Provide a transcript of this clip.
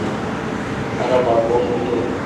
Arabam bozuldu.